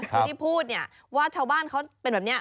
คือที่พูดเนี่ยว่าชาวบ้านเขาเป็นแบบนี้